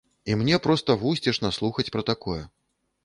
І мне проста вусцішна слухаць пра такое!